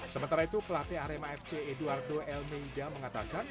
sementara itu pelatih arema fc eduardo elmeida mengatakan